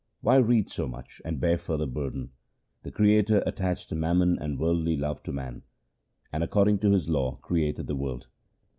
Why read so much and bear further burden ? The Creator attached mammon and worldly love to man, And according to this law created the world.